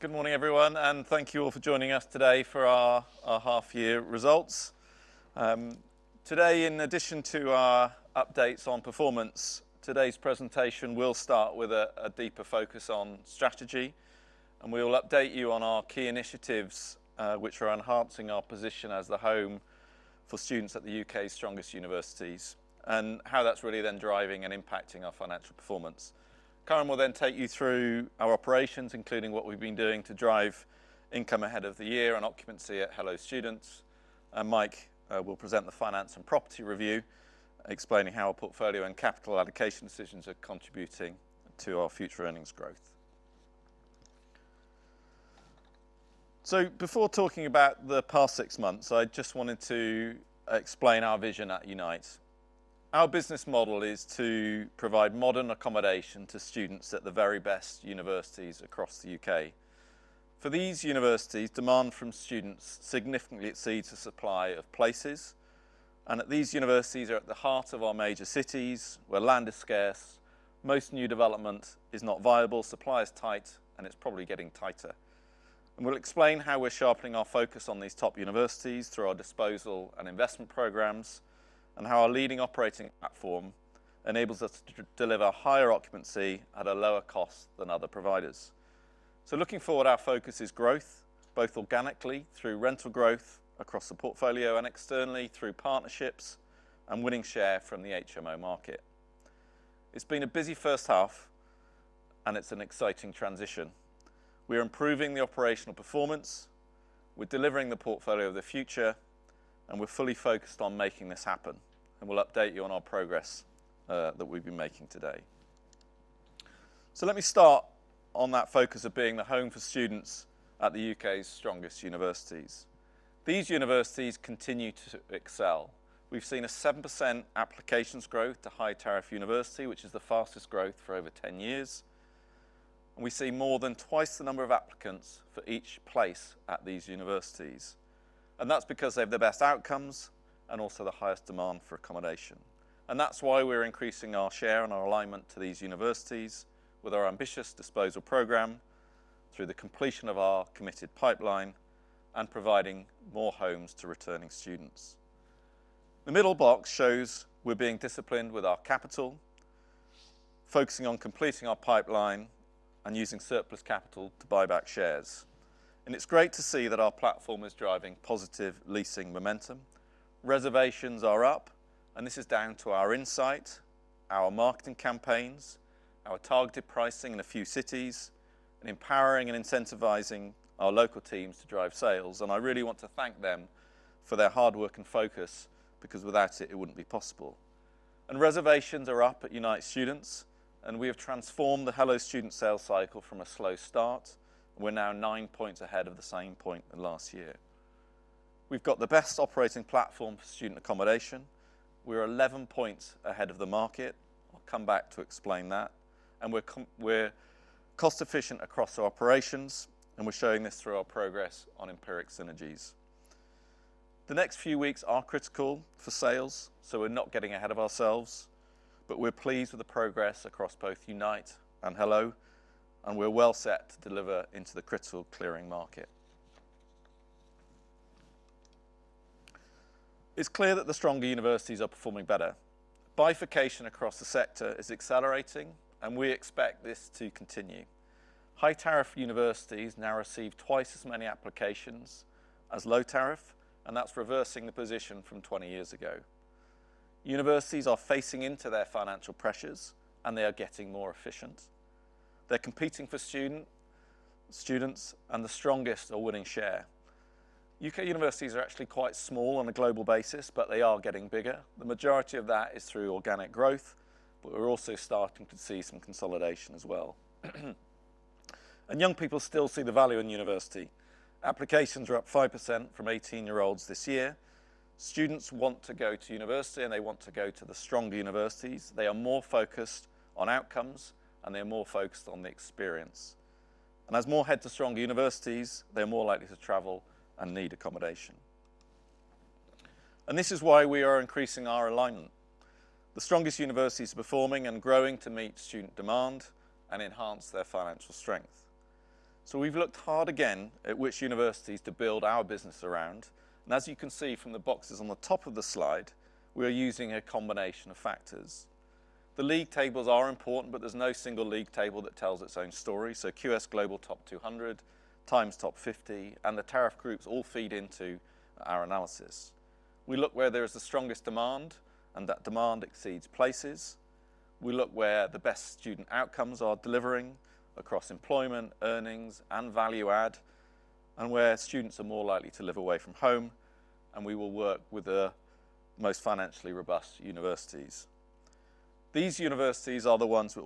Good morning, everyone, thank you all for joining us today for our half-year results. Today, in addition to our updates on performance, today's presentation will start with a deeper focus on strategy, we will update you on our key initiatives, which are enhancing our position as the home for students at the U.K.'s strongest universities, how that's really then driving and impacting our financial performance. Karan will then take you through our operations, including what we've been doing to drive income ahead of the year and occupancy at Hello Student, Mike will present the finance and property review, explaining how our portfolio and capital allocation decisions are contributing to our future earnings growth. Before talking about the past six months, I just wanted to explain our vision at Unite. Our business model is to provide modern accommodation to students at the very best universities across the U.K. For these universities, demand from students significantly exceeds the supply of places, these universities are at the heart of our major cities where land is scarce, most new development is not viable, supply is tight, it's probably getting tighter. We'll explain how we're sharpening our focus on these top universities through our disposal and investment programs, how our leading operating platform enables us to deliver higher occupancy at a lower cost than other providers. Looking forward, our focus is growth, both organically through rental growth across the portfolio and externally through partnerships and winning share from the HMO market. It's been a busy first half, it's an exciting transition. We're improving the operational performance with delivering the portfolio of the future, we're fully focused on making this happen, we'll update you on our progress that we've been making today. Let me start on that focus of being the home for students at the U.K.'s strongest universities. These universities continue to excel. We've seen a 7% applications growth to high tariff university, which is the fastest growth for over 10 years. We see more than twice the number of applicants for each place at these universities. That's because they have the best outcomes and also the highest demand for accommodation. That's why we're increasing our share and our alignment to these universities with our ambitious disposal program through the completion of our committed pipeline and providing more homes to returning students. The middle box shows we're being disciplined with our capital, focusing on completing our pipeline and using surplus capital to buy back shares. It's great to see that our platform is driving positive leasing momentum. Reservations are up, this is down to our insight, our marketing campaigns, our targeted pricing in a few cities, empowering and incentivizing our local teams to drive sales. I really want to thank them for their hard work and focus, because without it wouldn't be possible. Reservations are up at Unite Students, we have transformed the Hello Student sales cycle from a slow start. We're now nine points ahead of the same point last year. We've got the best operating platform for student accommodation. We're 11 points ahead of the market. I'll come back to explain that. We're cost-efficient across our operations, we're showing this through our progress on Empiric synergies. The next few weeks are critical for sales, so we're not getting ahead of ourselves, but we're pleased with the progress across both Unite and Hello, and we're well set to deliver into the critical clearing market. It's clear that the stronger universities are performing better. Bifurcation across the sector is accelerating and we expect this to continue. High tariff universities now receive twice as many applications as low tariff, and that's reversing the position from 20 years ago. Universities are facing into their financial pressures and they are getting more efficient. They're competing for students, and the strongest are winning share. U.K. universities are actually quite small on a global basis, but they are getting bigger. The majority of that is through organic growth, but we're also starting to see some consolidation as well. Young people still see the value in university. Applications are up 5% from 18-year-olds this year. Students want to go to university and they want to go to the stronger universities. They are more focused on outcomes and they're more focused on the experience. As more head to stronger universities, they're more likely to travel and need accommodation. This is why we are increasing our alignment. The strongest universities are performing and growing to meet student demand and enhance their financial strength. We've looked hard again at which universities to build our business around, and as you can see from the boxes on the top of the slide, we are using a combination of factors. The league tables are important, but there's no single league table that tells its own story, so QS Global Top 200, Times Top 50, and the tariff groups all feed into our analysis. We look where there is the strongest demand, and that demand exceeds places. We look where the best student outcomes are delivering across employment, earnings, and value add, and where students are more likely to live away from home. We will work with the most financially robust universities. These universities are the ones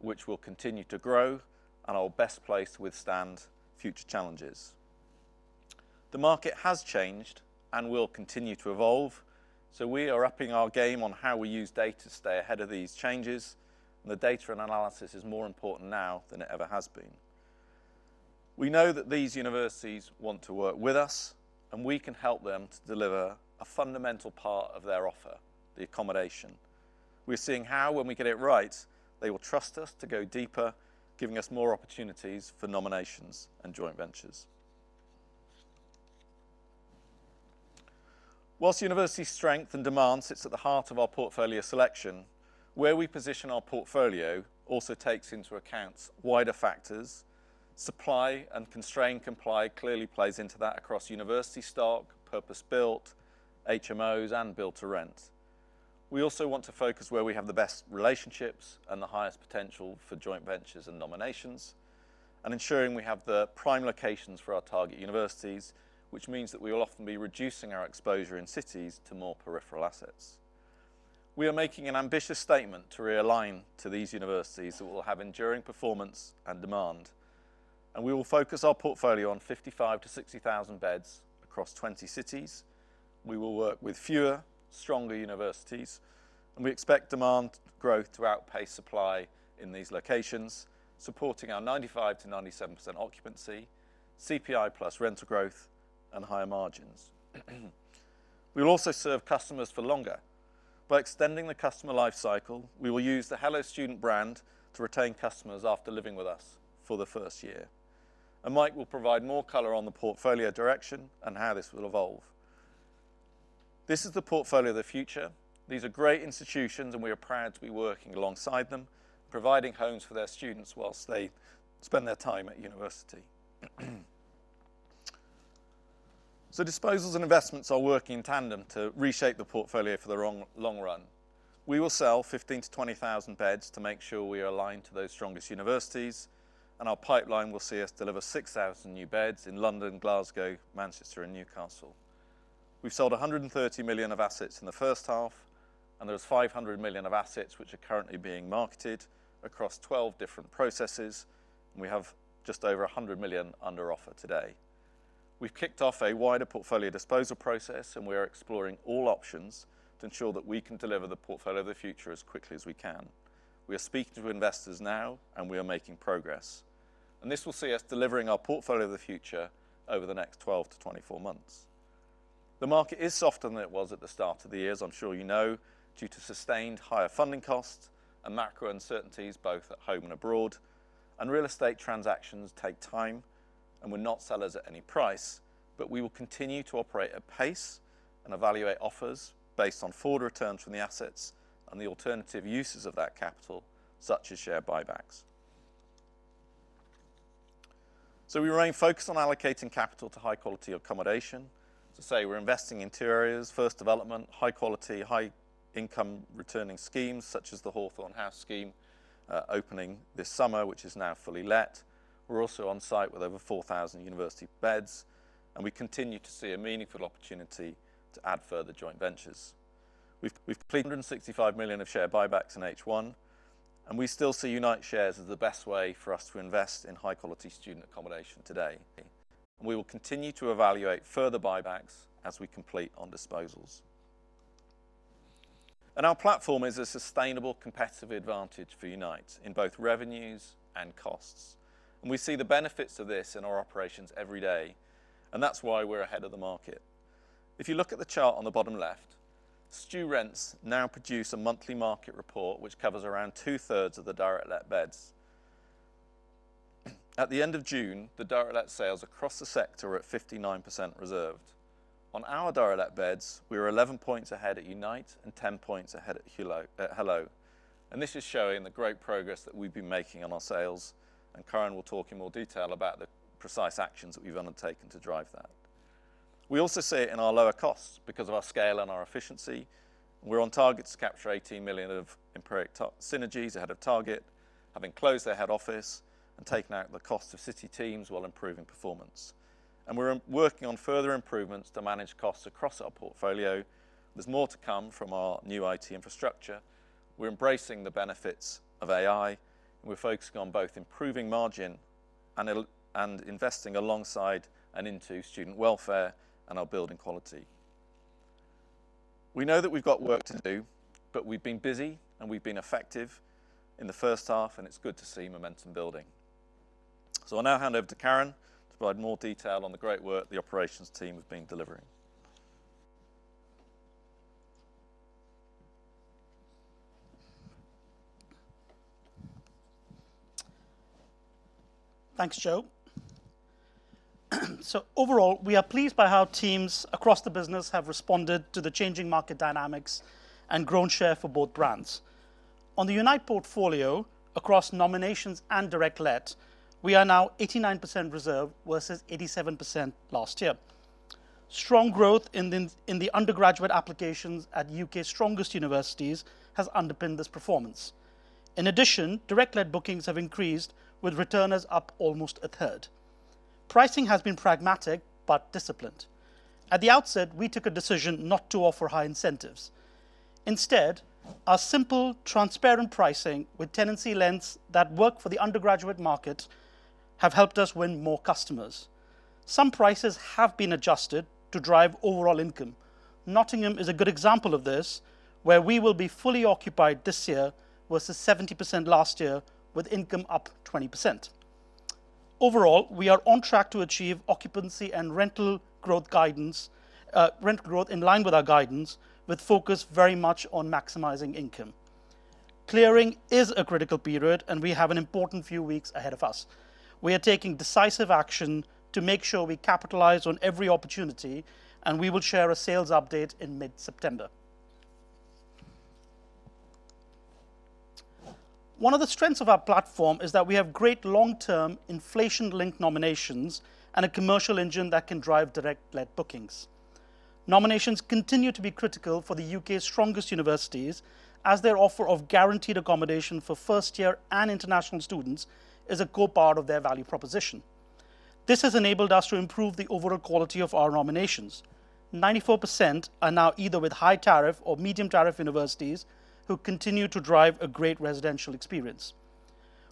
which will continue to grow and are best placed to withstand future challenges. The market has changed and will continue to evolve, so we are upping our game on how we use data to stay ahead of these changes, and the data and analysis is more important now than it ever has been. We know that these universities want to work with us and we can help them to deliver a fundamental part of their offer, the accommodation. We're seeing how, when we get it right, they will trust us to go deeper, giving us more opportunities for nominations and joint ventures. Whilst university strength and demand sits at the heart of our portfolio selection, where we position our portfolio also takes into account wider factors. Supply and constraint clearly plays into that across university stock, purpose-built, HMOs, and build to rent. We also want to focus where we have the best relationships and the highest potential for joint ventures and nominations, and ensuring we have the prime locations for our target universities, which means that we will often be reducing our exposure in cities to more peripheral assets. We are making an ambitious statement to realign to these universities that will have enduring performance and demand. We will focus our portfolio on 55,000-60,000 beds across 20 cities. We will work with fewer, stronger universities. We expect demand growth to outpace supply in these locations, supporting our 95%-97% occupancy, CPI plus rental growth, and higher margins. We will also serve customers for longer. By extending the customer life cycle, we will use the Hello Student brand to retain customers after living with us for the first year. Mike will provide more color on the portfolio direction and how this will evolve. This is the portfolio of the future. These are great institutions, and we are proud to be working alongside them, providing homes for their students whilst they spend their time at university. Disposals and investments are working in tandem to reshape the portfolio for the long run. We will sell 15,000-20,000 beds to make sure we are aligned to those strongest universities. Our pipeline will see us deliver 6,000 new beds in London, Glasgow, Manchester, and Newcastle. We've sold 130 million of assets in the first half. There is 500 million of assets which are currently being marketed across 12 different processes. We have just over 100 million under offer today. We've kicked off a wider portfolio disposal process. We are exploring all options to ensure that we can deliver the portfolio of the future as quickly as we can. We are speaking to investors now. We are making progress. This will see us delivering our portfolio of the future over the next 12-24 months. The market is softer than it was at the start of the year, as I'm sure you know, due to sustained higher funding costs and macro uncertainties both at home and abroad. Real estate transactions take time. We're not sellers at any price. We will continue to operate at pace and evaluate offers based on forward returns from the assets and the alternative uses of that capital, such as share buybacks. We remain focused on allocating capital to high-quality accommodation. As I say, we're investing in two areas. First, development, high quality, high income returning schemes such as the Hawthorn House scheme, opening this summer, which is now fully let. We're also on site with over 4,000 university beds. We continue to see a meaningful opportunity to add further joint ventures. We've completed 165 million of share buybacks in H1. We still see Unite shares as the best way for us to invest in high quality student accommodation today. We will continue to evaluate further buybacks as we complete on disposals. Our platform is a sustainable competitive advantage for Unite in both revenues and costs. We see the benefits of this in our operations every day, and that's why we're ahead of the market. If you look at the chart on the bottom left, StuRents now produce a monthly market report which covers around two-thirds of the direct let beds. At the end of June, the direct let sales across the sector were at 59% reserved. On our direct let beds, we were 11 points ahead at Unite and 10 points ahead at Hello. This is showing the great progress that we've been making on our sales and Karan will talk in more detail about the precise actions that we've undertaken to drive that. We also see it in our lower costs because of our scale and our efficiency. We're on target to capture 18 million of Empiric synergies ahead of target, having closed their head office and taken out the cost of city teams while improving performance. We're working on further improvements to manage costs across our portfolio. There's more to come from our new IT infrastructure. We're embracing the benefits of AI, and we're focusing on both improving margin and investing alongside and into student welfare and our building quality. We know that we've got work to do, but we've been busy, and we've been effective in the first half. It's good to see momentum building. I'll now hand over to Karan to provide more detail on the great work the operations team have been delivering. Thanks, Joe. Overall, we are pleased by how teams across the business have responded to the changing market dynamics and grown share for both brands. On the Unite portfolio across nominations and direct let, we are now 89% reserved versus 87% last year. Strong growth in the undergraduate applications at U.K.'s strongest universities has underpinned this performance. In addition, direct let bookings have increased with returners up almost 1/3. Pricing has been pragmatic but disciplined. At the outset, we took a decision not to offer high incentives. Instead, our simple, transparent pricing with tenancy lengths that work for the undergraduate market have helped us win more customers. Some prices have been adjusted to drive overall income. Nottingham is a good example of this, where we will be fully occupied this year versus 70% last year, with income up 20%. Overall, we are on track to achieve occupancy and rental growth in line with our guidance, with focus very much on maximizing income. Clearing is a critical period. We have an important few weeks ahead of us. We are taking decisive action to make sure we capitalize on every opportunity. We will share a sales update in mid-September. One of the strengths of our platform is that we have great long-term inflation-linked nominations and a commercial engine that can drive direct-led bookings. Nominations continue to be critical for the U.K.'s strongest universities, as their offer of guaranteed accommodation for first year and international students is a core part of their value proposition. This has enabled us to improve the overall quality of our nominations. 94% are now either with high tariff or medium tariff universities who continue to drive a great residential experience.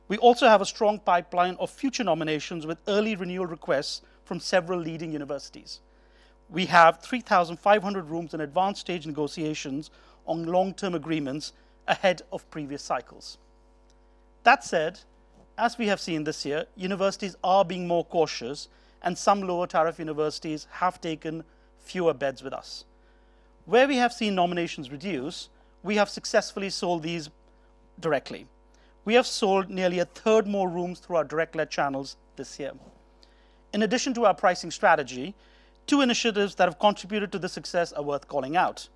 We also have a strong pipeline of future nominations with early renewal requests from several leading universities. We have 3,500 rooms in advanced stage negotiations on long-term agreements ahead of previous cycles. That said, as we have seen this year, universities are being more cautious and some lower tariff universities have taken fewer beds with us. Where we have seen nominations reduce, we have successfully sold these directly. We have sold nearly 1/3 more rooms through our direct-led channels this year. In addition to our pricing strategy, two initiatives that have contributed to this success are worth calling out.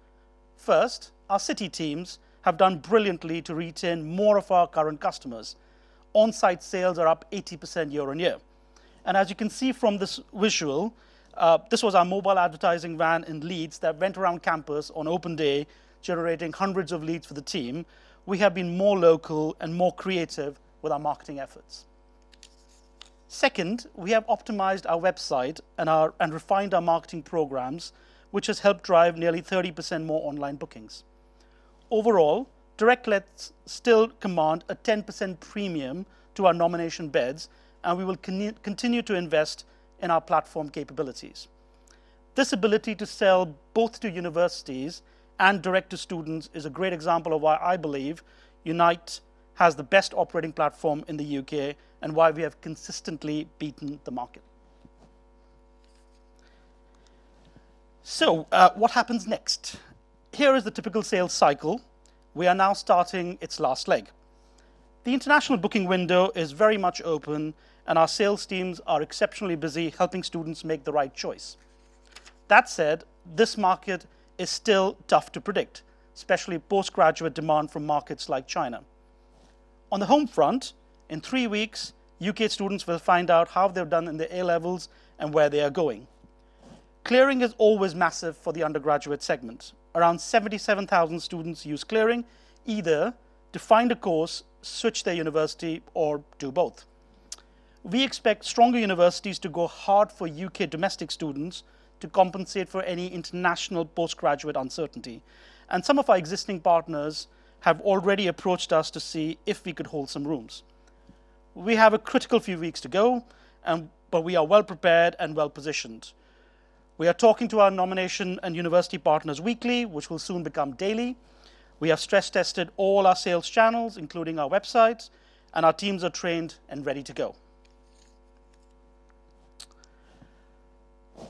First, our city teams have done brilliantly to retain more of our current customers. On-site sales are up 80% year-on-year. As you can see from this visual, this was our mobile advertising van in Leeds that went around campus on open day, generating hundreds of leads for the team. We have been more local and more creative with our marketing efforts. Second, we have optimized our website and refined our marketing programs, which has helped drive nearly 30% more online bookings. Overall, direct lets still command a 10% premium to our nomination beds, and we will continue to invest in our platform capabilities. This ability to sell both to universities and direct to students is a great example of why I believe Unite has the best operating platform in the U.K. and why we have consistently beaten the market. What happens next? Here is the typical sales cycle. We are now starting its last leg. The international booking window is very much open, and our sales teams are exceptionally busy helping students make the right choice. That said, this market is still tough to predict, especially post-graduate demand from markets like China. On the home front, in three weeks, U.K. students will find out how they've done in their A levels and where they are going. Clearing is always massive for the undergraduate segment. Around 77,000 students use clearing either to find a course, switch their university, or do both. We expect stronger universities to go hard for U.K. domestic students to compensate for any international post-graduate uncertainty, and some of our existing partners have already approached us to see if we could hold some rooms. We have a critical few weeks to go, we are well prepared and well positioned. We are talking to our nomination and university partners weekly, which will soon become daily. We have stress-tested all our sales channels, including our websites, and our teams are trained and ready to go.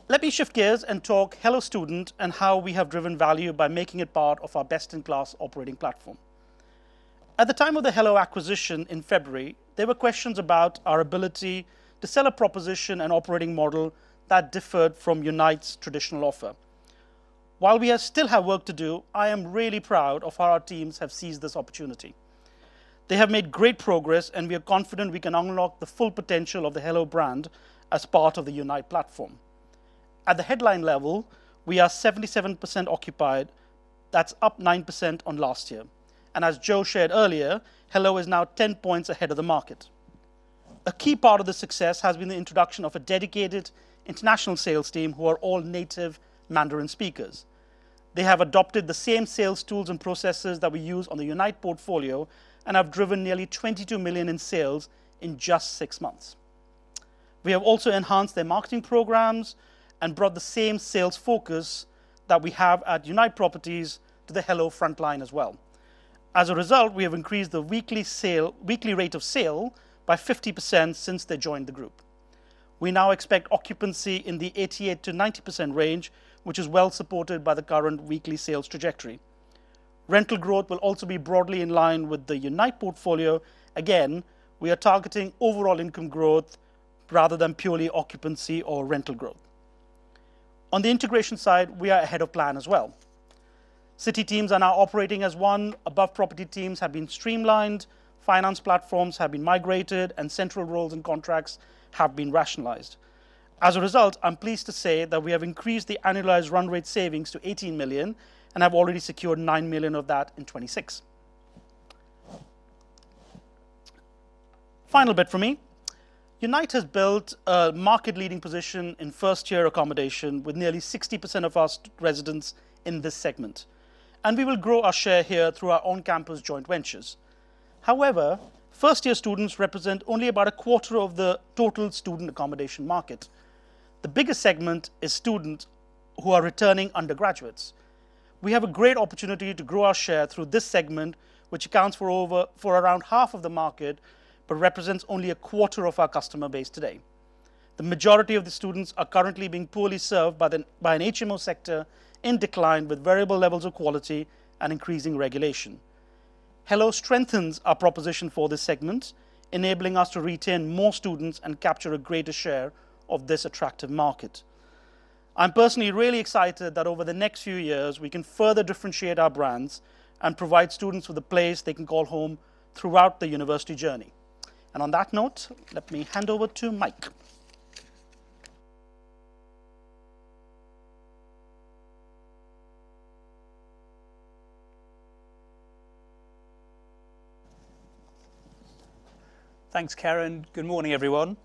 Let me shift gears and talk Hello Student and how we have driven value by making it part of our best-in-class operating platform. At the time of the Hello acquisition in February, there were questions about our ability to sell a proposition and operating model that differed from Unite's traditional offer. While we still have work to do, I am really proud of how our teams have seized this opportunity. They have made great progress, and we are confident we can unlock the full potential of the Hello brand as part of the Unite platform. At the headline level, we are 77% occupied. That's up 9% on last year. As Joe shared earlier, Hello is now 10 points ahead of the market. A key part of the success has been the introduction of a dedicated international sales team who are all native Mandarin speakers. They have adopted the same sales tools and processes that we use on the Unite portfolio and have driven nearly 22 million in sales in just six months. We have also enhanced their marketing programs and brought the same sales focus that we have at Unite to the Hello frontline as well. As a result, we have increased the weekly rate of sale by 50% since they joined the group. We now expect occupancy in the 88%-90% range, which is well supported by the current weekly sales trajectory. Rental growth will also be broadly in line with the Unite portfolio. Again, we are targeting overall income growth rather than purely occupancy or rental growth. On the integration side, we are ahead of plan as well. City teams are now operating as one. Above property teams have been streamlined, finance platforms have been migrated, and central roles and contracts have been rationalized. As a result, I'm pleased to say that we have increased the annualized run rate savings to 18 million and have already secured 9 million of that in 2026. Final bit from me. Unite has built a market-leading position in first year accommodation with nearly 60% of our residents in this segment, and we will grow our share here through our on-campus joint ventures. However, first-year students represent only about 1/4 of the total student accommodation market. The biggest segment is students who are returning undergraduates. We have a great opportunity to grow our share through this segment, which accounts for around half of the market, but represents only 1/4 of our customer base today. The majority of the students are currently being poorly served by an HMO sector in decline with variable levels of quality and increasing regulation. Hello strengthens our proposition for this segment, enabling us to retain more students and capture a greater share of this attractive market. I'm personally really excited that over the next few years, we can further differentiate our brands and provide students with a place they can call home throughout their university journey. On that note, let me hand over to Mike. Thanks, Karan. Good morning, everyone.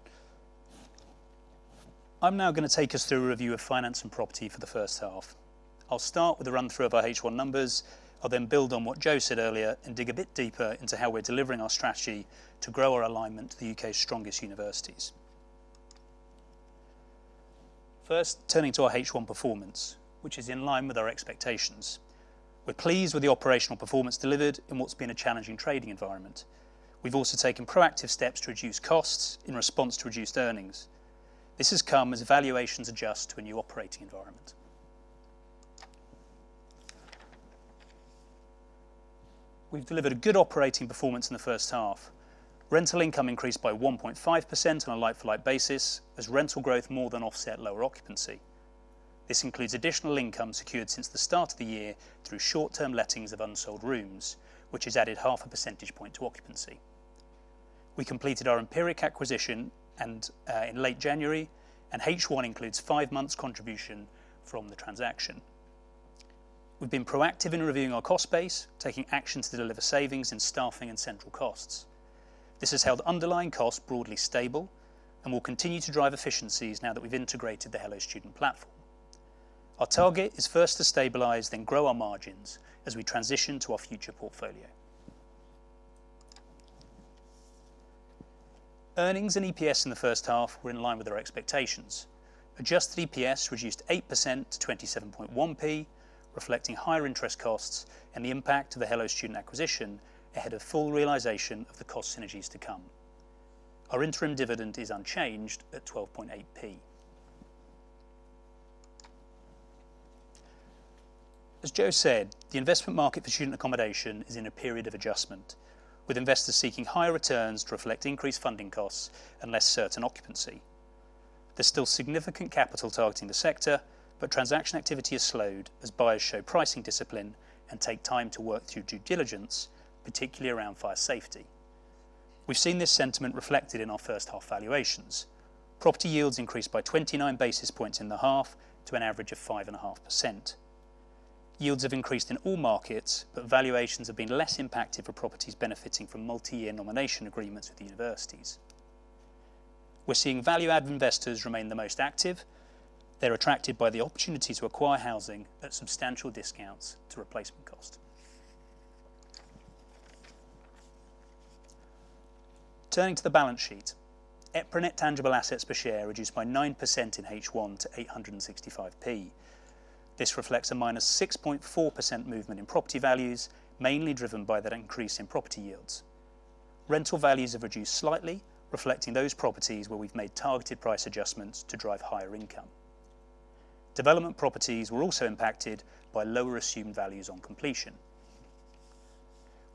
I'm now going to take us through a review of finance and property for the first half. I'll start with a run-through of our H1 numbers. I'll build on what Joe said earlier and dig a bit deeper into how we're delivering our strategy to grow our alignment to the U.K.'s strongest universities. First, turning to our H1 performance, which is in line with our expectations. We're pleased with the operational performance delivered in what's been a challenging trading environment. We've also taken proactive steps to reduce costs in response to reduced earnings. This has come as valuations adjust to a new operating environment. We've delivered a good operating performance in the first half. Rental income increased by 1.5% on a like-for-like basis, as rental growth more than offset lower occupancy. This includes additional income secured since the start of the year through short-term lettings of unsold rooms, which has added half a percentage point to occupancy. We completed our Empiric acquisition in late January, and H1 includes five months contribution from the transaction. We've been proactive in reviewing our cost base, taking actions to deliver savings in staffing and central costs. This has held underlying costs broadly stable and will continue to drive efficiencies now that we've integrated the Hello Student platform. Our target is first to stabilize, then grow our margins as we transition to our future portfolio. Earnings and EPS in the first half were in line with our expectations. Adjusted EPS reduced 8% to 0.271, reflecting higher interest costs and the impact of the Hello Student acquisition ahead of full realization of the cost synergies to come. Our interim dividend is unchanged at 0.128. As Joe said, the investment market for student accommodation is in a period of adjustment, with investors seeking higher returns to reflect increased funding costs and less certain occupancy. There's still significant capital targeting the sector, but transaction activity has slowed as buyers show pricing discipline and take time to work through due diligence, particularly around fire safety. We've seen this sentiment reflected in our first half valuations. Property yields increased by 29 basis points in the half to an average of 5.5%. Yields have increased in all markets, but valuations have been less impacted for properties benefiting from multi-year nomination agreements with universities. We're seeing value-add investors remain the most active. They're attracted by the opportunity to acquire housing at substantial discounts to replacement cost. Turning to the balance sheet. EPRA NTA per share reduced by 9% in H1 to 8.65. This reflects a minus 6.4% movement in property values, mainly driven by that increase in property yields. Rental values have reduced slightly, reflecting those properties where we've made targeted price adjustments to drive higher income. Development properties were also impacted by lower assumed values on completion.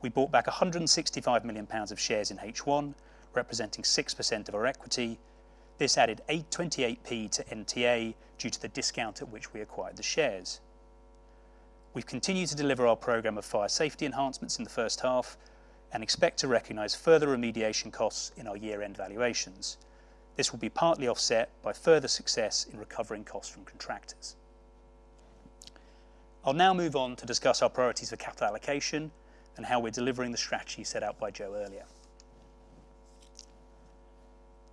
We bought back 165 million pounds of shares in H1, representing 6% of our equity. This added 0.28 to NTA due to the discount at which we acquired the shares. We've continued to deliver our program of fire safety enhancements in the first half and expect to recognize further remediation costs in our year-end valuations. This will be partly offset by further success in recovering costs from contractors. I'll now move on to discuss our priorities for capital allocation and how we're delivering the strategy set out by Joe earlier.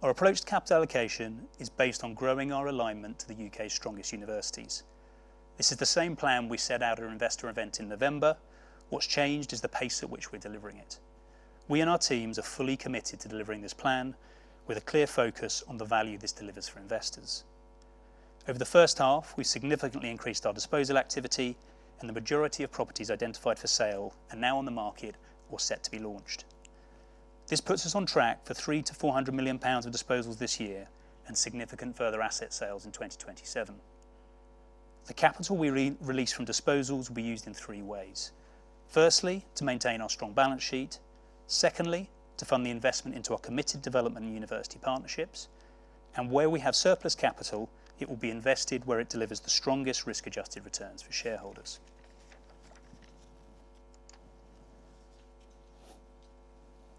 Our approach to capital allocation is based on growing our alignment to the U.K.'s strongest universities. This is the same plan we set out at our investor event in November. What's changed is the pace at which we're delivering it. We and our teams are fully committed to delivering this plan with a clear focus on the value this delivers for investors. Over the first half, we significantly increased our disposal activity and the majority of properties identified for sale are now on the market or set to be launched. This puts us on track for 300 million-400 million pounds of disposals this year and significant further asset sales in 2027. The capital we release from disposals will be used in three ways. Firstly, to maintain our strong balance sheet. Secondly, to fund the investment into our committed development and university partnerships. Where we have surplus capital, it will be invested where it delivers the strongest risk-adjusted returns for shareholders.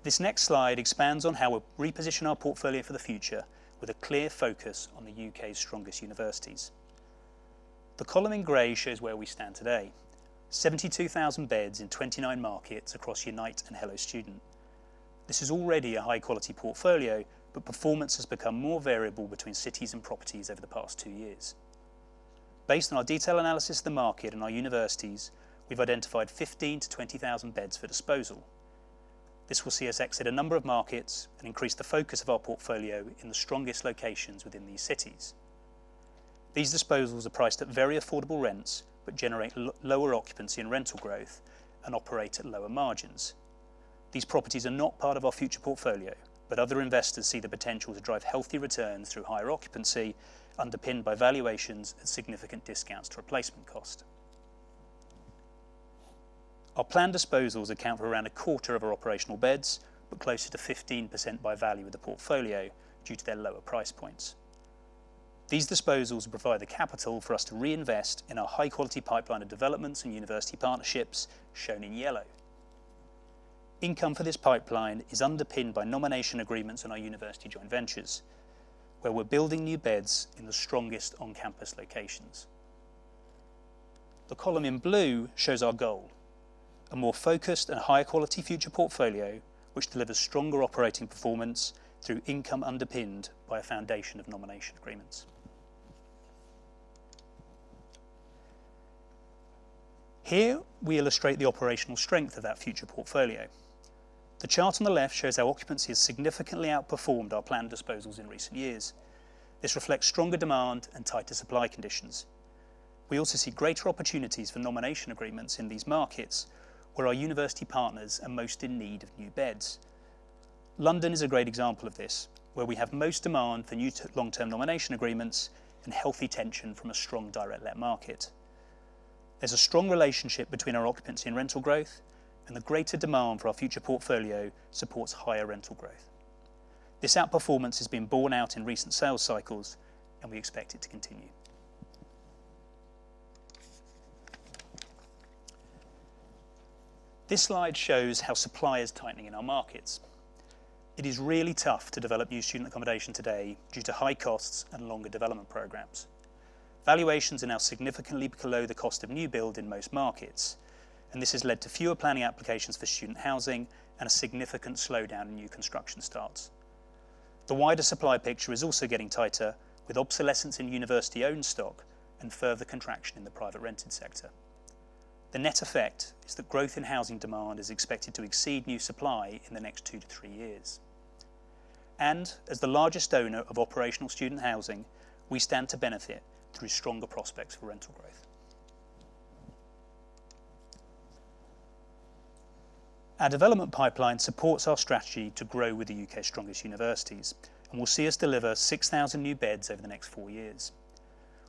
This next slide expands on how we reposition our portfolio for the future with a clear focus on the U.K.'s strongest universities. The column in gray shows where we stand today, 72,000 beds in 29 markets across Unite and Hello Student. This is already a high-quality portfolio. Performance has become more variable between cities and properties over the past two years. Based on our detailed analysis of the market and our universities, we've identified 15,000-20,000 beds for disposal. This will see us exit a number of markets and increase the focus of our portfolio in the strongest locations within these cities. These disposals are priced at very affordable rents, but generate lower occupancy and rental growth and operate at lower margins. These properties are not part of our future portfolio. Other investors see the potential to drive healthy returns through higher occupancy, underpinned by valuations at significant discounts to replacement cost. Our planned disposals account for around 1/4 of our operational beds, but closer to 15% by value of the portfolio due to their lower price points. These disposals provide the capital for us to reinvest in our high-quality pipeline of developments and university partnerships, shown in yellow. Income for this pipeline is underpinned by nomination agreements in our university joint ventures, where we're building new beds in the strongest on-campus locations. The column in blue shows our goal, a more focused and higher quality future portfolio, which delivers stronger operating performance through income underpinned by a foundation of nomination agreements. Here, we illustrate the operational strength of that future portfolio. The chart on the left shows how occupancy has significantly outperformed our planned disposals in recent years. This reflects stronger demand and tighter supply conditions. We also see greater opportunities for nomination agreements in these markets, where our university partners are most in need of new beds. London is a great example of this, where we have most demand for new long-term nomination agreements and healthy tension from a strong direct let market. There's a strong relationship between our occupancy and rental growth. The greater demand for our future portfolio supports higher rental growth. This outperformance has been borne out in recent sales cycles. We expect it to continue. This slide shows how supply is tightening in our markets. It is really tough to develop new student accommodation today due to high costs and longer development programs. Valuations are now significantly below the cost of new build in most markets. This has led to fewer planning applications for student housing and a significant slowdown in new construction starts. The wider supply picture is also getting tighter, with obsolescence in university-owned stock and further contraction in the private rented sector. The net effect is that growth in housing demand is expected to exceed new supply in the next two to three years. As the largest owner of operational student housing, we stand to benefit through stronger prospects for rental growth. Our development pipeline supports our strategy to grow with the U.K.'s strongest universities and will see us deliver 6,000 new beds over the next four years.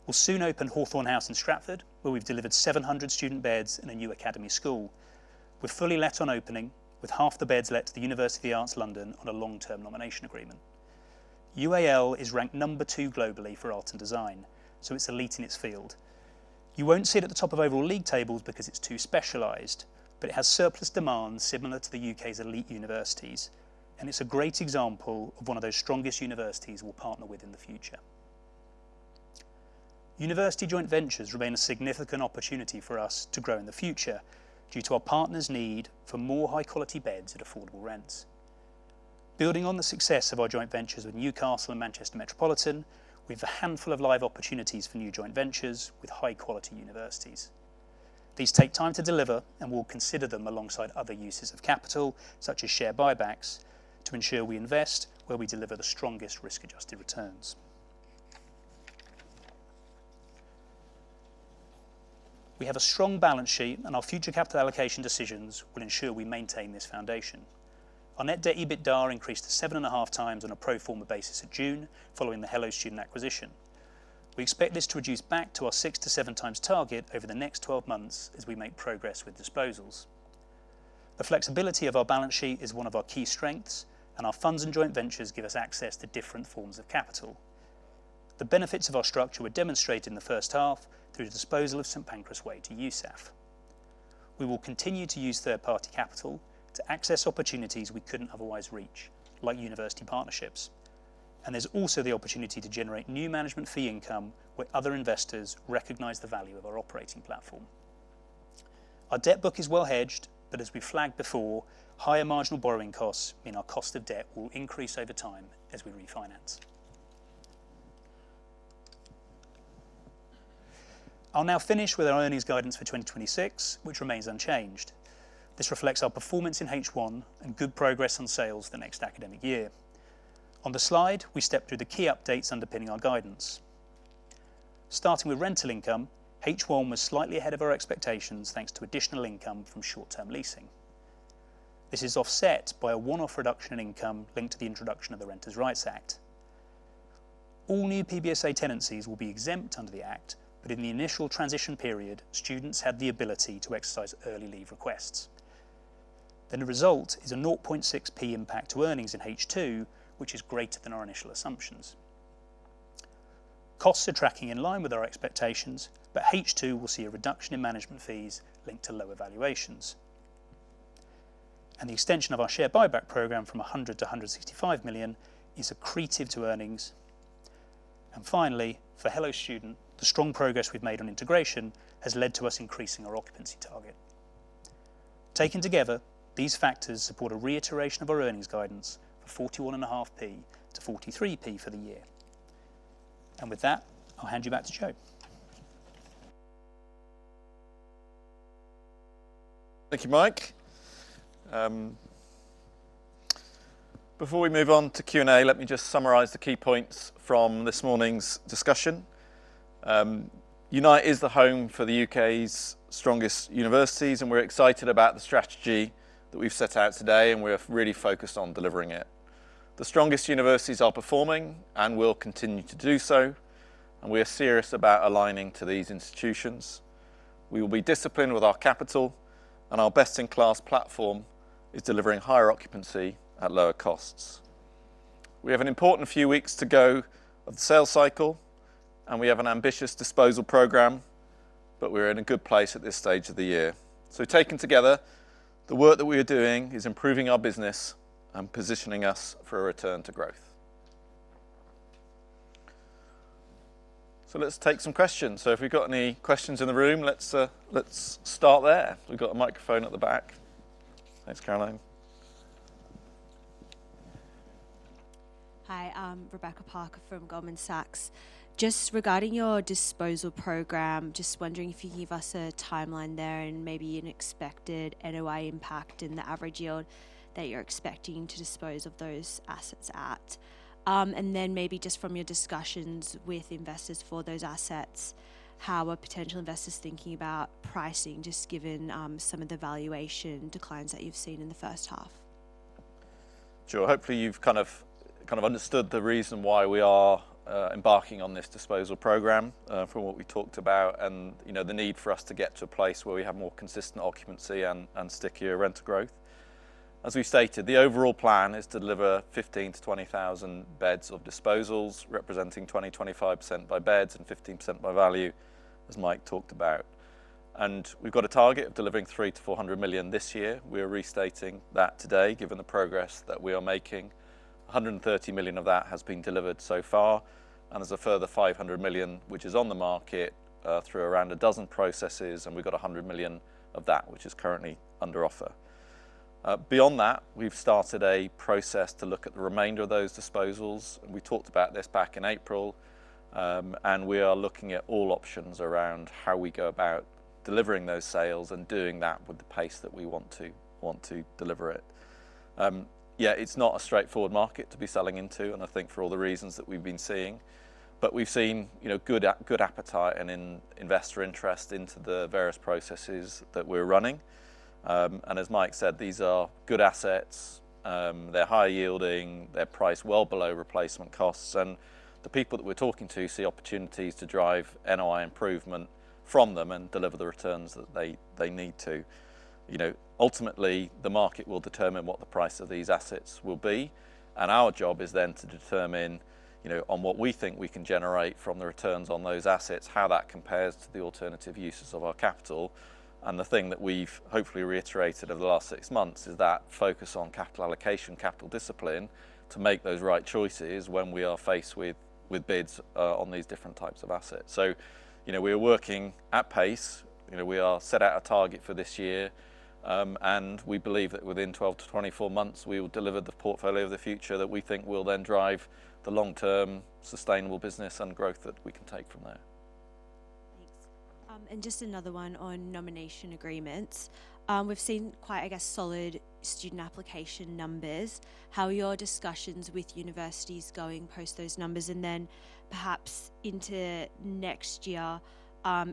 We'll soon open Hawthorn House in Stratford, where we've delivered 700 student beds and a new academy school. We're fully let on opening, with half the beds let to the University Arts London on a long-term nomination agreement. UAL is ranked number two globally for art and design, so it's elite in its field. You won't see it at the top of overall league tables because it's too specialized, but it has surplus demand similar to the U.K.'s elite universities, and it's a great example of one of those strongest universities we'll partner with in the future. University joint ventures remain a significant opportunity for us to grow in the future due to our partners' need for more high-quality beds at affordable rents. Building on the success of our joint ventures with Newcastle and Manchester Metropolitan, we have a handful of live opportunities for new joint ventures with high-quality universities. These take time to deliver, we'll consider them alongside other uses of capital, such as share buybacks, to ensure we invest where we deliver the strongest risk-adjusted returns. We have a strong balance sheet, our future capital allocation decisions will ensure we maintain this foundation. Our net debt EBITDA increased to 7.5x on a pro forma basis at June, following the Hello Student acquisition. We expect this to reduce back to our six to seven times target over the next 12 months as we make progress with disposals. The flexibility of our balance sheet is one of our key strengths, our funds and joint ventures give us access to different forms of capital. The benefits of our structure were demonstrated in the first-half through the disposal of St. Pancras Way to USAF. We will continue to use third-party capital to access opportunities we couldn't otherwise reach, like university partnerships. There's also the opportunity to generate new management fee income where other investors recognize the value of our operating platform. Our debt book is well hedged, as we flagged before, higher marginal borrowing costs mean our cost of debt will increase over time as we refinance. I'll now finish with our earnings guidance for 2026, which remains unchanged. This reflects our performance in H1 and good progress on sales the next academic year. On the slide, we step through the key updates underpinning our guidance. Starting with rental income, H1 was slightly ahead of our expectations, thanks to additional income from short-term leasing. This is offset by a one-off reduction in income linked to the introduction of the Renters' Rights Act. All new PBSA tenancies will be exempt under the Act, in the initial transition period, students had the ability to exercise early leave requests. The result is a 0.006 impact to earnings in H2, which is greater than our initial assumptions. Costs are tracking in line with our expectations, H2 will see a reduction in management fees linked to lower valuations. The extension of our share buyback program from 100 million to 165 million is accretive to earnings. Finally, for Hello Student, the strong progress we've made on integration has led to us increasing our occupancy target. Taken together, these factors support a reiteration of our earnings guidance for 0.415-0.43 for the year. With that, I'll hand you back to Joe. Thank you, Mike. Before we move on to Q&A, let me just summarize the key points from this morning's discussion. Unite is the home for the U.K.'s strongest universities. We're excited about the strategy that we've set out today. We're really focused on delivering it. The strongest universities are performing and will continue to do so. We are serious about aligning to these institutions. We will be disciplined with our capital. Our best-in-class platform is delivering higher occupancy at lower costs. We have an important few weeks to go of the sales cycle. We have an ambitious disposal program, but we're in a good place at this stage of the year. Taken together, the work that we are doing is improving our business and positioning us for a return to growth. Let's take some questions. If we've got any questions in the room, let's start there. We've got a microphone at the back. Thanks, Caroline. Hi, I'm Rebecca Parker from Goldman Sachs. Just regarding your disposal program, just wondering if you could give us a timeline there and maybe an expected NOI impact and the average yield that you're expecting to dispose of those assets at. Maybe just from your discussions with investors for those assets, how are potential investors thinking about pricing, just given some of the valuation declines that you've seen in the first half? Sure. Hopefully, you've kind of understood the reason why we are embarking on this disposal program, from what we talked about. The need for us to get to a place where we have more consistent occupancy and stickier rental growth. As we've stated, the overall plan is to deliver 15,000-20,000 beds of disposals, representing 20%-25% by beds and 15% by value, as Mike talked about. We've got a target of delivering 300 million-400 million this year. We are restating that today, given the progress that we are making. 130 million of that has been delivered so far. There's a further 500 million, which is on the market, through around a dozen processes. We've got 100 million of that, which is currently under offer. Beyond that, we've started a process to look at the remainder of those disposals. We talked about this back in April. We are looking at all options around how we go about delivering those sales and doing that with the pace that we want to deliver it. Yeah, it's not a straightforward market to be selling into. I think for all the reasons that we've been seeing, we've seen good appetite and investor interest into the various processes that we're running. As Mike said, these are good assets. They're high yielding. They're priced well below replacement costs, and the people that we're talking to see opportunities to drive NOI improvement from them and deliver the returns that they need to. Ultimately, the market will determine what the price of these assets will be. Our job is then to determine, on what we think we can generate from the returns on those assets, how that compares to the alternative uses of our capital. The thing that we've hopefully reiterated over the last six months is that focus on capital allocation, capital discipline, to make those right choices when we are faced with bids on these different types of assets. We are working at pace. We set out a target for this year. We believe that within 12-24 months, we will deliver the portfolio of the future that we think will then drive the long-term sustainable business and growth that we can take from there. Thanks. Just another one on nomination agreements. We've seen quite, I guess, solid student application numbers. How are your discussions with universities going post those numbers? Then perhaps into next year,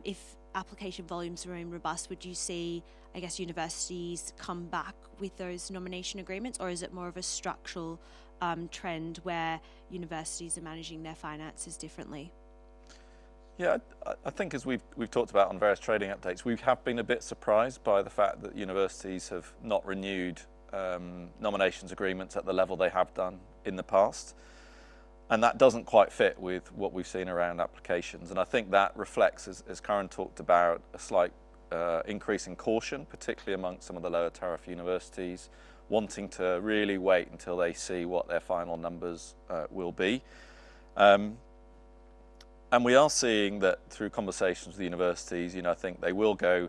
if application volumes remain robust, would you see, I guess, universities come back with those nomination agreements, or is it more of a structural trend where universities are managing their finances differently? Yeah. I think as we've talked about on various trading updates, we have been a bit surprised by the fact that universities have not renewed nomination agreements at the level they have done in the past. That doesn't quite fit with what we've seen around applications. I think that reflects, as Karan talked about, a slight increase in caution, particularly amongst some of the lower tariff universities wanting to really wait until they see what their final numbers will be. We are seeing that through conversations with the universities. I think they will go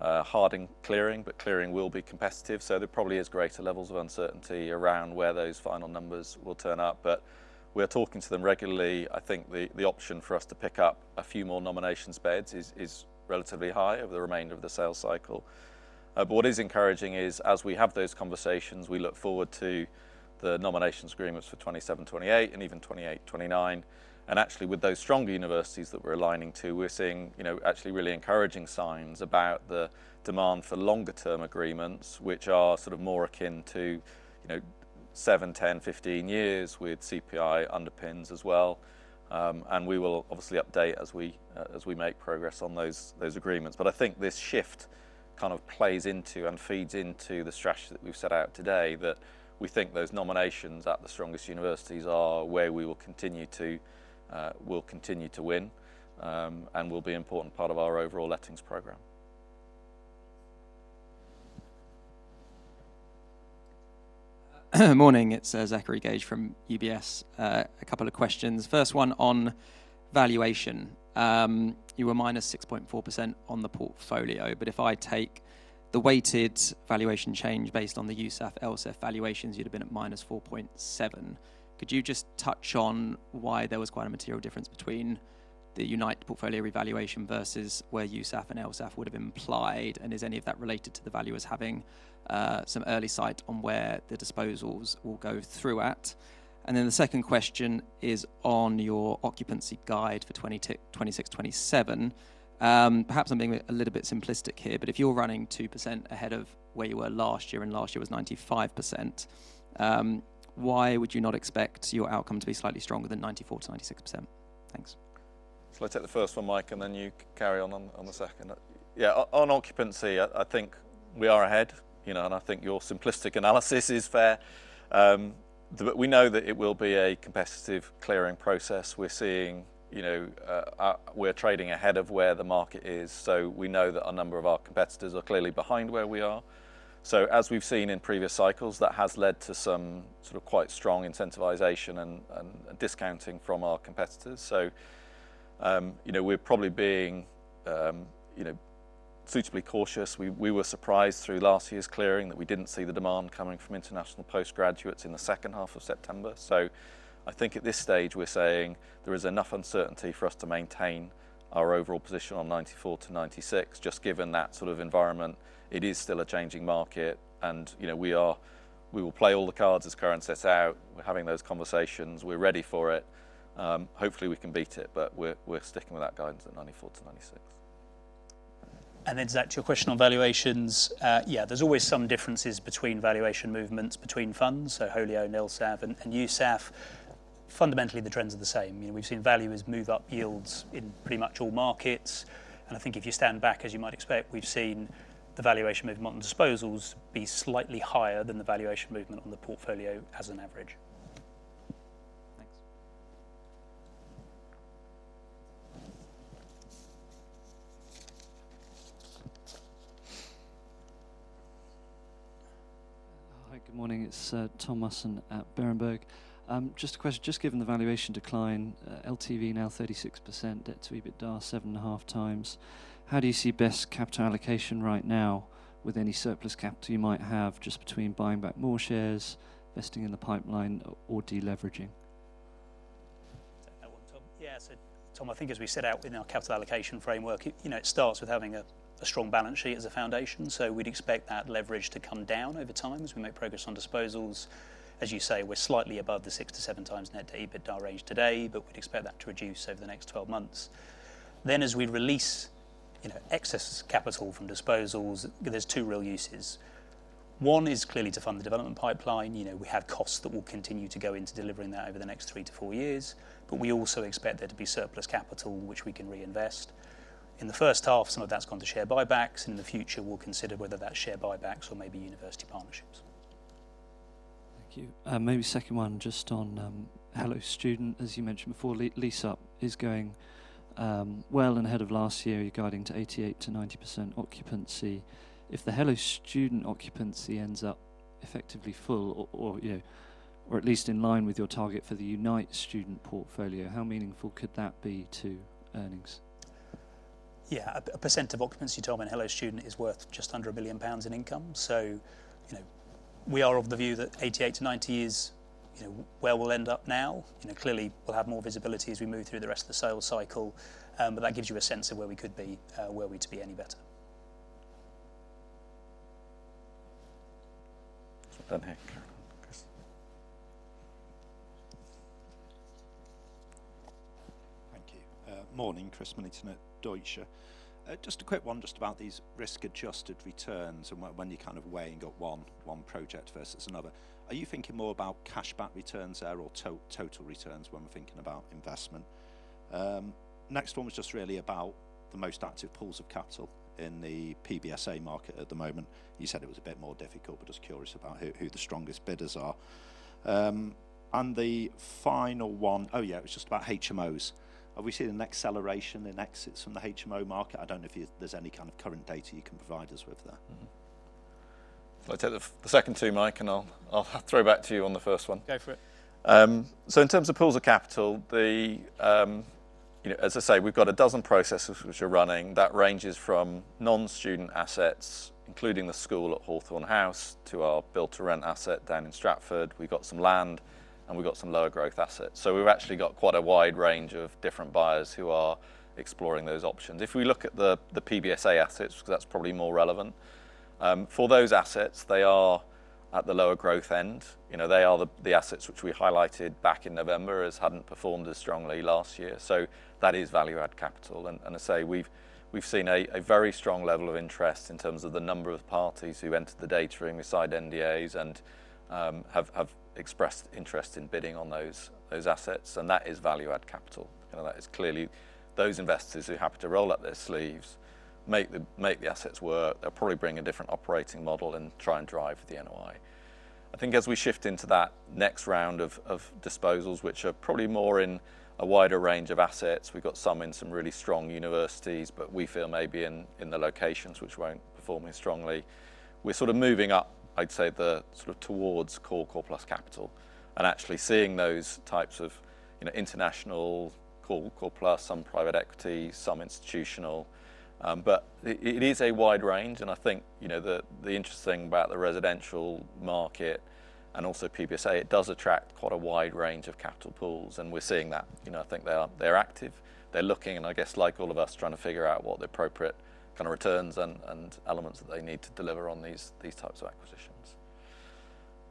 hard in clearing. Clearing will be competitive, there probably is greater levels of uncertainty around where those final numbers will turn up, we are talking to them regularly. I think the option for us to pick up a few more nominations beds is relatively high over the remainder of the sales cycle. What is encouraging is, as we have those conversations, we look forward to the nomination agreements for 2027/2028 and even 2028/2029. Actually, with those stronger universities that we're aligning to, we're seeing actually really encouraging signs about the demand for longer-term agreements, which are sort of more akin to seven/10/15 years with CPI underpins as well. We will obviously update as we make progress on those agreements. I think this shift kind of plays into and feeds into the strategy that we've set out today, that we think those nominations at the strongest universities are where we'll continue to win, and will be an important part of our overall lettings program. Morning, it's Zachary Gauge from UBS. A couple of questions. First one on valuation. You were -6.4% on the portfolio, but if I take the weighted valuation change based on the USAF, LSAV valuations, you'd have been at -4.7%. Could you just touch on why there was quite a material difference between the Unite portfolio revaluation versus where USAF and LSAV would've implied, and is any of that related to the value as having some early sight on where the disposals will go through at? The second question is on your occupancy guide for 2026/ 2027. Perhaps I'm being a little bit simplistic here, if you're running 2% ahead of where you were last year and last year was 95%, why would you not expect your outcome to be slightly stronger than 94%-96%? Thanks. I take the first one, Mike, you carry on the second. On occupancy, I think we are ahead, and I think your simplistic analysis is fair. We know that it will be a competitive clearing process. We're trading ahead of where the market is, we know that a number of our competitors are clearly behind where we are. As we've seen in previous cycles, that has led to some sort of quite strong incentivization and discounting from our competitors. We're probably being suitably cautious. We were surprised through last year's clearing that we didn't see the demand coming from international postgraduates in the second half of September. I think at this stage, we're saying there is enough uncertainty for us to maintain our overall position on 94%-96%, just given that sort of environment. It is still a changing market and we will play all the cards as Karan set out. We're having those conversations, we're ready for it. Hopefully, we can beat it, we're sticking with that guidance at 94%-96%. To your question on valuations. There's always some differences between valuation movements between funds. Holio, LSAV, and USAF. Fundamentally, the trends are the same. We've seen valuers move up yields in pretty much all markets. I think if you stand back, as you might expect, we've seen the valuation movement on disposals be slightly higher than the valuation movement on the portfolio as an average. Thanks. Hi, good morning. It's Tom Musson at Berenberg. A question, given the valuation decline, LTV now 36%, debt to EBITDA 7.5x. How do you see best capital allocation right now with any surplus capital you might have, between buying back more shares, investing in the pipeline, or de-leveraging? Take that one, Tom. Tom, I think as we set out in our capital allocation framework, it starts with having a strong balance sheet as a foundation. We'd expect that leverage to come down over time as we make progress on disposals. As you say, we're slightly above the 6x-7x net to EBITDA range today, but we'd expect that to reduce over the next 12 months. As we release excess capital from disposals, there's two real uses. One is clearly to fund the development pipeline. We have costs that will continue to go into delivering that over the next three to four years, but we also expect there to be surplus capital, which we can reinvest. In the first-half, some of that's gone to share buybacks. In the future, we'll consider whether that's share buybacks or maybe university partnerships. Thank you. Maybe second one on Hello Student. As you mentioned before, lease-up is going well and ahead of last year regarding 88%-90% occupancy. If the Hello Student occupancy ends up effectively full or at least in line with your target for the Unite Students portfolio, how meaningful could that be to earnings? Yeah. A percent of occupancy, Tom, in Hello Student is worth just under 100 billion pounds in income. We are of the view that 88%-90% is where we'll end up now. Clearly, we'll have more visibility as we move through the rest of the sales cycle. That gives you a sense of where we could be, were we to be any better. Done here. Carry on, Chris. Thank you. Morning, Chris Millington at Deutsche. Just a quick one, just about these risk-adjusted returns and when you're kind of weighing up one project versus another. Are you thinking more about cash back returns there or total returns when we're thinking about investment? Next one was just really about the most active pools of capital in the PBSA market at the moment. You said it was a bit more difficult, but just curious about who the strongest bidders are. The final one, oh yeah, it was just about HMOs. Are we seeing an acceleration in exits from the HMO market? I don't know if there's any kind of current data you can provide us with there. If I take the second two, Mike, I'll throw back to you on the first one. Go for it. In terms of pools of capital, as I say, we've got 12 processes which are running. That ranges from non-student assets, including the school at Hawthorn House, to our build-to-rent asset down in Stratford. We've got some land and we've got some lower growth assets. We've actually got quite a wide range of different buyers who are exploring those options. If we look at the PBSA assets, because that's probably more relevant. For those assets, they are at the lower growth end. They are the assets which we highlighted back in November as hadn't performed as strongly last year. That is value-add capital, and as I say, we've seen a very strong level of interest in terms of the number of parties who entered the data room, who signed NDAs, and have expressed interest in bidding on those assets. That is value-add capital. That is clearly those investors who are happy to roll up their sleeves, make the assets work. They'll probably bring a different operating model and try and drive the NOI. I think as we shift into that next round of disposals, which are probably more in a wider range of assets, we've got some in some really strong universities, but we feel maybe in the locations which won't be performing strongly. We're sort of moving up, I'd say towards core plus capital, and actually seeing those types of international core plus, some private equity, some institutional. It is a wide range, and I think the interesting thing about the residential market and also PBSA it does attract quite a wide range of capital pools, and we're seeing that. I think they're active, they're looking, and I guess like all of us, trying to figure out what the appropriate kind of returns and elements that they need to deliver on these types of acquisitions.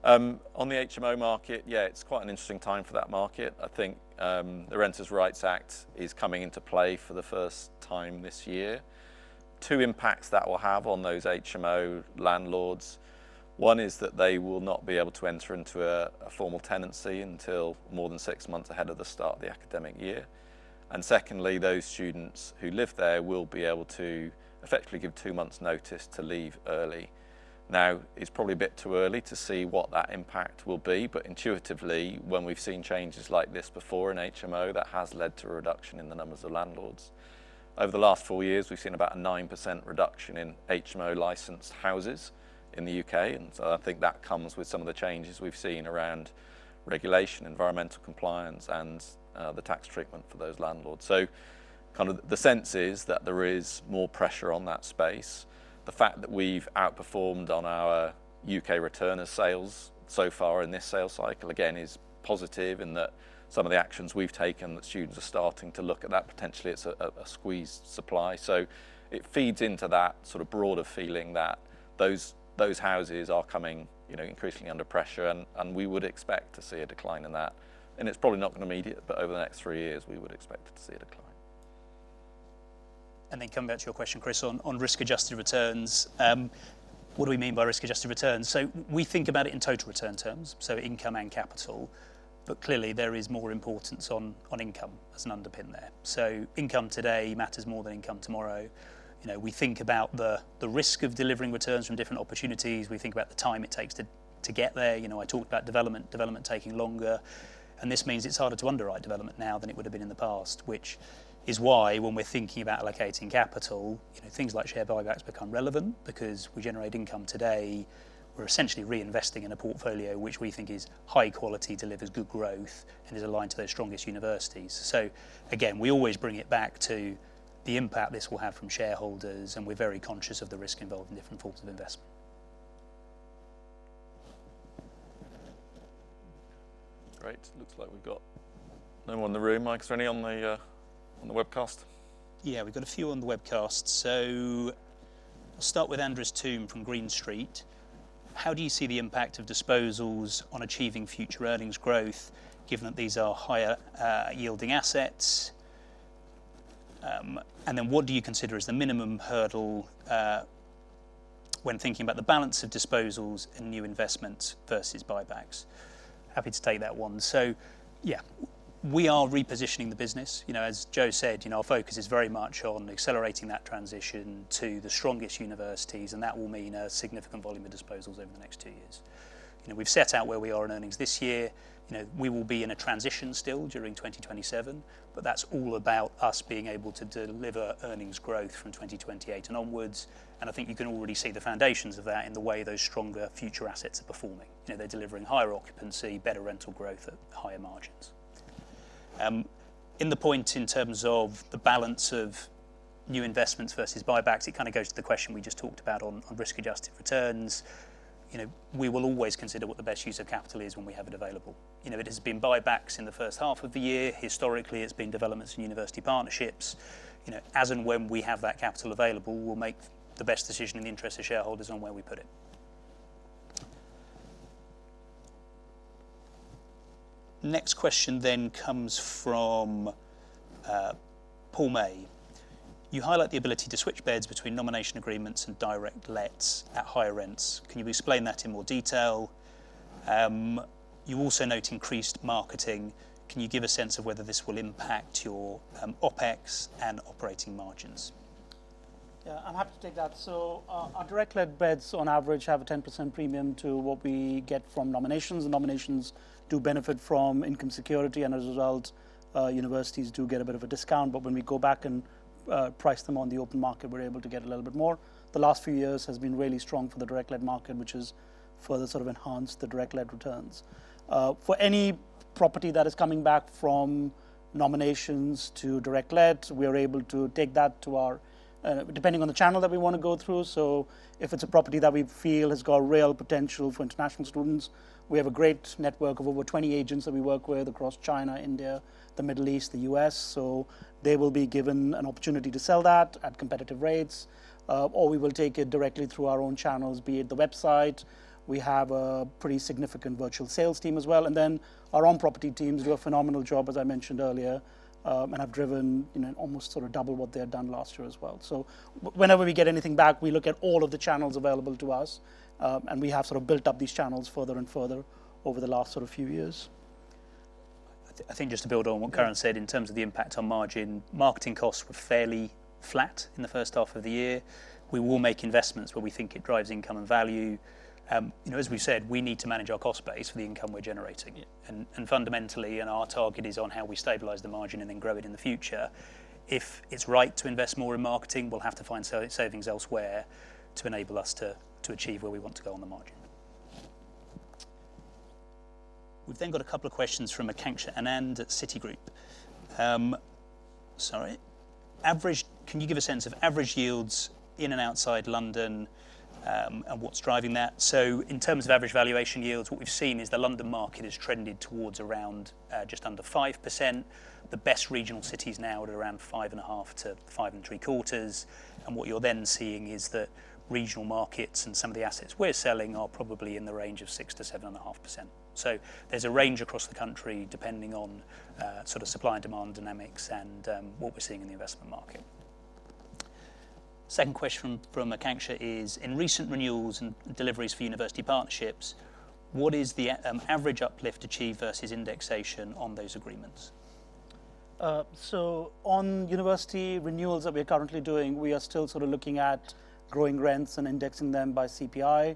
On the HMO market, it's quite an interesting time for that market. I think the Renters' Rights Act is coming into play for the first time this year. Two impacts that will have on those HMO landlords. One is that they will not be able to enter into a formal tenancy until more than six months ahead of the start of the academic year. Secondly, those students who live there will be able to effectively give two months' notice to leave early. It's probably a bit too early to see what that impact will be, intuitively, when we've seen changes like this before in HMO, that has led to a reduction in the numbers of landlords. Over the last four years, we've seen about a 9% reduction in HMO-licensed houses in the U.K., I think that comes with some of the changes we've seen around regulation, environmental compliance, and the tax treatment for those landlords. The sense is that there is more pressure on that space. The fact that we've outperformed on our U.K. return as sales so far in this sales cycle, again, is positive in that some of the actions we've taken that students are starting to look at that potentially as a squeezed supply. It feeds into that sort of broader feeling that those houses are coming increasingly under pressure we would expect to see a decline in that. It's probably not going to immediate, but over the next three years, we would expect to see a decline. Coming back to your question, Chris, on risk-adjusted returns. What do we mean by risk-adjusted returns? We think about it in total return terms, so income and capital. Clearly there is more importance on income as an underpin there. Income today matters more than income tomorrow. We think about the risk of delivering returns from different opportunities. We think about the time it takes to get there. I talked about development taking longer, this means it's harder to underwrite development now than it would have been in the past. Which is why when we're thinking about allocating capital, things like share buybacks become relevant because we generate income today. We're essentially reinvesting in a portfolio which we think is high quality, delivers good growth, and is aligned to those strongest universities. Again, we always bring it back to the impact this will have from shareholders, we're very conscious of the risk involved in different forms of investment. Great. Looks like we've got no one in the room, Mike. Is there any on the webcast? Yeah, we've got a few on the webcast. I'll start with Andres Toome from Green Street. How do you see the impact of disposals on achieving future earnings growth, given that these are higher yielding assets? What do you consider is the minimum hurdle, when thinking about the balance of disposals and new investments versus buybacks? Happy to take that one. Yeah, we are repositioning the business. As Joe said, our focus is very much on accelerating that transition to the strongest universities, and that will mean a significant volume of disposals over the next two years. We've set out where we are in earnings this year. We will be in a transition still during 2027, but that's all about us being able to deliver earnings growth from 2028 and onwards. I think you can already see the foundations of that in the way those stronger future assets are performing. They're delivering higher occupancy, better rental growth at higher margins. In the point in terms of the balance of new investments versus buybacks, it kind of goes to the question we just talked about on risk-adjusted returns. We will always consider what the best use of capital is when we have it available. It has been buybacks in the first half of the year. Historically, it's been developments in university partnerships. As and when we have that capital available, we'll make the best decision in the interest of shareholders on where we put it. Next question comes from Paul May. You highlight the ability to switch beds between nomination agreements and direct lets at higher rents. Can you explain that in more detail? You also note increased marketing. Can you give a sense of whether this will impact your OpEx and operating margins? I'm happy to take that. Our direct let beds, on average, have a 10% premium to what we get from nominations. Nominations do benefit from income security, and as a result, universities do get a bit of a discount. When we go back and price them on the open market, we're able to get a little bit more. The last few years has been really strong for the direct let market, which has further sort of enhanced the direct let returns. For any property that is coming back from nominations to direct lets, we are able to take that to our, depending on the channel that we want to go through. If it's a property that we feel has got real potential for international students, we have a great network of over 20 agents that we work with across China, India, the Middle East, the U.S. They will be given an opportunity to sell that at competitive rates. We will take it directly through our own channels, be it the website. We have a pretty significant virtual sales team as well. Our own property teams do a phenomenal job, as I mentioned earlier, and have driven almost sort of double what they had done last year as well. Whenever we get anything back, we look at all of the channels available to us. We have sort of built up these channels further and further over the last sort of few years. I think just to build on what Karan said, in terms of the impact on margin, marketing costs were fairly flat in the first half of the year. We will make investments where we think it drives income and value. As we said, we need to manage our cost base for the income we're generating. Our target is on how we stabilize the margin and then grow it in the future. If it's right to invest more in marketing, we'll have to find savings elsewhere to enable us to achieve where we want to go on the margin. We've then got a couple of questions from Aakanksha Anand at Citigroup. Sorry. Can you give a sense of average yields in and outside London, and what's driving that? In terms of average valuation yields, what we've seen is the London market has trended towards around just under 5%. The best regional cities now at around 5.5%-5.75%. What you're then seeing is that regional markets and some of the assets we're selling are probably in the range of 6%-7.5%. There's a range across the country, depending on supply and demand dynamics and what we're seeing in the investment market. Second question from Aakanksha is, in recent renewals and deliveries for university partnerships, what is the average uplift achieved versus indexation on those agreements? On university renewals that we are currently doing, we are still looking at growing rents and indexing them by CPI.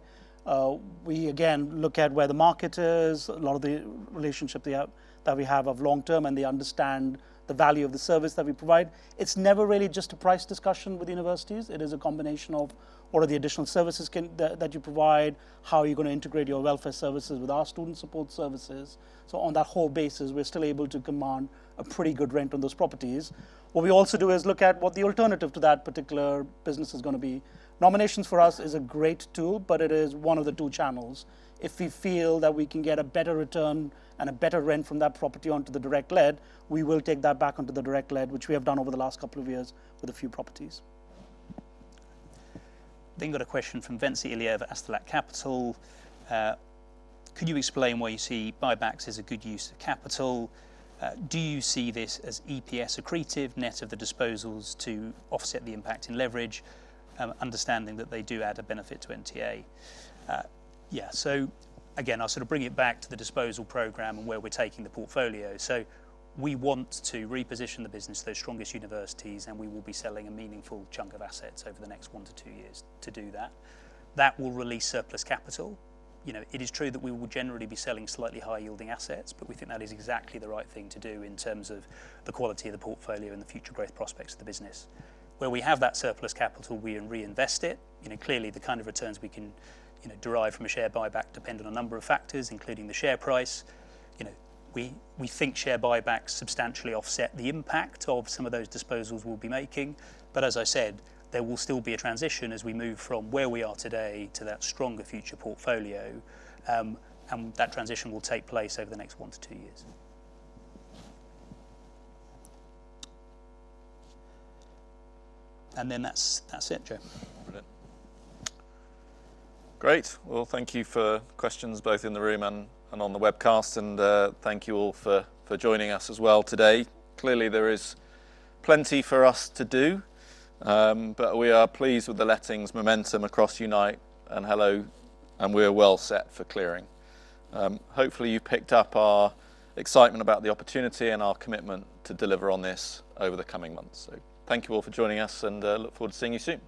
We, again, look at where the market is. A lot of the relationship that we have are long-term, and they understand the value of the service that we provide. It is never really just a price discussion with universities. It is a combination of all of the additional services that you provide, how you are going to integrate your welfare services with our student support services. On that whole basis, we are still able to command a pretty good rent on those properties. What we also do is look at what the alternative to that particular business is going to be. Nominations for us is a great tool, but it is one of the two channels. If we feel that we can get a better return and a better rent from that property onto the direct let, we will take that back onto the direct let, which we have done over the last couple of years with a few properties. Got a question from Ventsi Iliev, Astellat Capital. Could you explain why you see buybacks as a good use of capital? Do you see this as EPS accretive, net of the disposals to offset the impact in leverage, understanding that they do add a benefit to NTA? Again, I'll bring it back to the disposal program and where we're taking the portfolio. We want to reposition the business to those strongest universities, and we will be selling a meaningful chunk of assets over the next one to two years to do that. That will release surplus capital. It is true that we will generally be selling slightly higher-yielding assets, but we think that is exactly the right thing to do in terms of the quality of the portfolio and the future growth prospects of the business. Where we have that surplus capital, we reinvest it. Clearly, the kind of returns we can derive from a share buyback depend on a number of factors, including the share price. We think share buybacks substantially offset the impact of some of those disposals we'll be making. As I said, there will still be a transition as we move from where we are today to that stronger future portfolio. That transition will take place over the next one to two years. That's it, Joe. Brilliant. Great. Well, thank you for questions both in the room and on the webcast. Thank you all for joining us as well today. Clearly, there is plenty for us to do. We are pleased with the lettings momentum across Unite and Hello, and we're well set for clearing. Hopefully, you picked up our excitement about the opportunity and our commitment to deliver on this over the coming months. Thank you all for joining us, and look forward to seeing you soon.